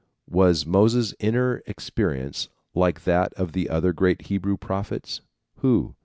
Was Moses' inner experience like that of the other great Hebrew prophets? Who?